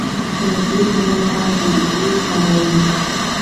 د بید ونه د اوبو سره وي